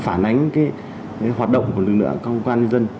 phản ánh hoạt động của lực lượng công an nhân dân